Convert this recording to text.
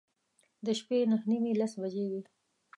د شپې نهه نیمې، لس بجې به وې.